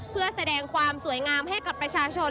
เพื่อแสดงความสวยงามให้กับประชาชน